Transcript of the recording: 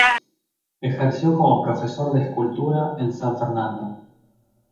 Ejerció como profesor de escultura en San Fernando.